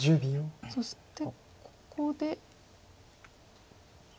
そしてここで。